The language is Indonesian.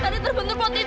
tadi terbentuk pot itu mas